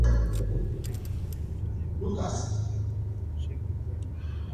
Ña Antonia katu oñembotavyeténte chuguikuéra.